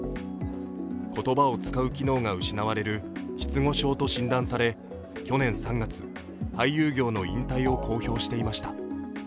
言葉を使う機能が失われる失語症と診断され、去年３月、俳優業の引退を公表していました。